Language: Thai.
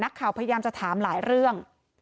พยายามจะถามหลายเรื่อง